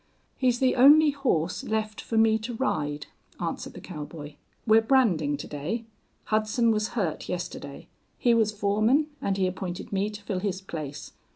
"He's the only horse left for me to ride," answered the cowboy. "We're branding to day. Hudson was hurt yesterday. He was foreman, and he appointed me to fill his place.